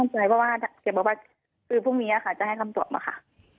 อันนี้ไม่มั่นใจเพราะว่าจะมีพุ่งนี้จะให้คำตอบมั้ยคะ